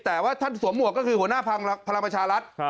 แต่ว่าท่านสวมหมวกก็คือหัวหน้าพลังประชารัฐ